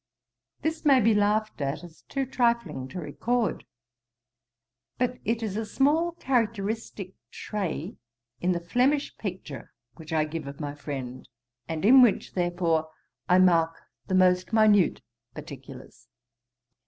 This may be laughed at as too trifling to record; but it is a small characteristick trait in the Flemish picture which I give of my friend, and in which, therefore, I mark the most minute particulars.